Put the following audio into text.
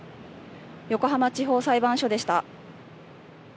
横浜地方裁判所でした。